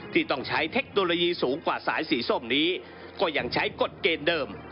ที่ต้องใช้เทคโนโลยีสูงกว่าสายสีส้มนี้ก็ยังใช้กฎเกณฑ์เดิม